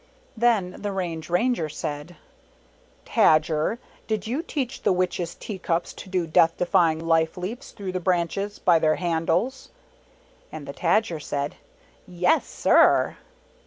Then the Range Ranger said, "Tajer, "d you teach the Witch's tea cups to do Death atiymg life leaps, through the branches, by their handles? " And the Tajer said, "Yes, sir!"